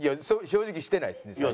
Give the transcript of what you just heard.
正直してないですね最近。